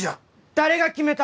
誰が決めた！？